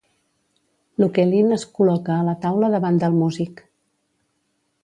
L'ukelin es col·loca a la taula davant del músic.